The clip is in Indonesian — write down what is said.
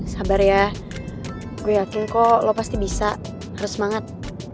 sabar ya gue yakin kok lo pasti bisa harus semangat